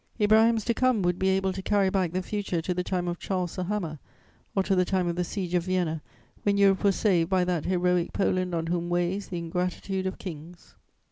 Ibrahims to come would be able to carry back the future to the time of Charles the Hammer or to the time of the Siege of Vienna, when Europe was saved by that heroic Poland on whom weighs the ingratitude of kings.